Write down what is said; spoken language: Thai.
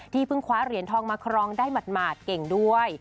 เพิ่งคว้าเหรียญทองมาครองได้หมาดเก่งด้วย